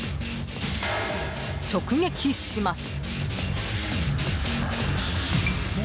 直撃します。